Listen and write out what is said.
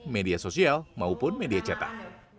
media sosial maupun media cetak